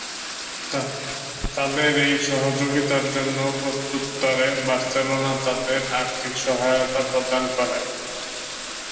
তাদের এই সহযোগিতার জন্য প্রত্যুত্তরে বার্সেলোনা তাদের আর্থিক সহায়তা প্রদান করে।